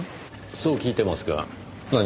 そう聞いてますが何か？